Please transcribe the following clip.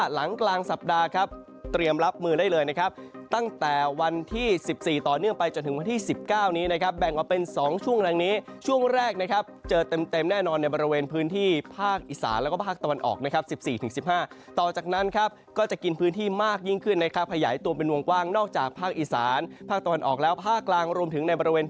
หลังกลางสัปดาห์ครับเตรียมรับมือได้เลยนะครับตั้งแต่วันที่สิบสี่ต่อเนื่องไปจนถึงวันที่สิบเก้านี้นะครับแบ่งออกเป็นสองช่วงแหล่งนี้ช่วงแรกนะครับเจอเต็มแน่นอนในบริเวณพื้นที่ภาคอีสานแล้วก็ภาคตะวันออกนะครับสิบสี่ถึงสิบห้าต่อจากนั้นครับก็จะกินพื้นที่มากยิ่งขึ้นนะครับ